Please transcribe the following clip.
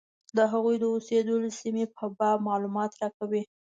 د هغوی د اوسېدلو سیمې په باب معلومات راکوي.